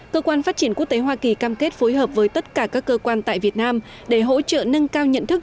cơ quan phát triển quốc tế hoa kỳ cam kết phối hợp với tất cả các cơ quan tại việt nam để hỗ trợ nâng cao nhận thức